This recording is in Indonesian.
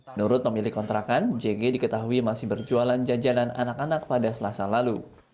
menurut pemilik kontrakan jg diketahui masih berjualan jajanan anak anak pada selasa lalu